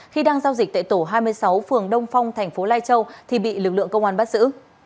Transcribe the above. khi đang giao dịch tại tổ hai mươi sáu phường đông phong thành phố lai châu thì bị lực lượng công an bắt giữ